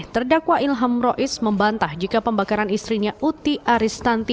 terdakwa ilham rois membantah jika pembakaran istrinya uti aristanti